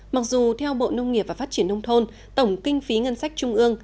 mặc dù theo bộ nông nghiệp và phát triển nông thôn tổng kinh phí ngân sách trung ương